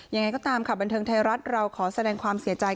ยังไงก็ตามค่ะบันเทิงไทยรัฐเราขอแสดงความเสียใจ